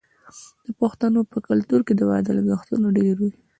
د پښتنو په کلتور کې د واده لګښتونه ډیر وي.